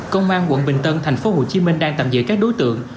công an quận bình tân thành phố hồ chí minh đang tạm dự các đối tượng